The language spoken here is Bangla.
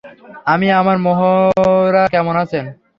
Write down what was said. আমি আমান মেহরা কেমন আছেন?